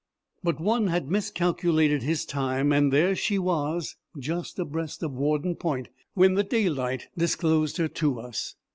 But one had miscalculated his time, and there she was, just abreast of Warden Point, when the daylight disclosed her to us.